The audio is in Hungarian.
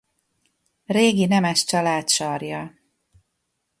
Régi nemes család sarja.